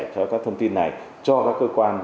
cho các thông tin này cho các cơ quan